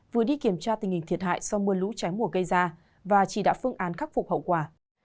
vừa đi kiểm tra tình hình thiệt hại do mưa lũ trái mùa gây ra và chỉ đạo phương án khắc phục hậu quả